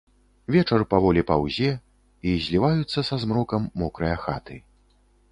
Вечар паволі паўзе, і зліваюцца са змрокам мокрыя хаты.